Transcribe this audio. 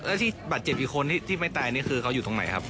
แล้วที่บาดเจ็บอีกคนที่ไม่ตายนี่คือเขาอยู่ตรงไหนครับ